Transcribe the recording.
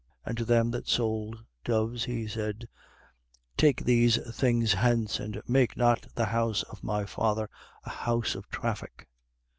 2:16. And to them that sold doves he said: Take these things hence, and make not the house of my Father a house of traffic.